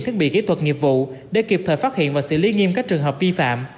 thiết bị kỹ thuật nghiệp vụ để kịp thời phát hiện và xử lý nghiêm các trường hợp vi phạm